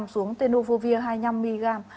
xuống tenofovir hai mươi năm mg